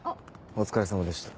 お疲れさまでした。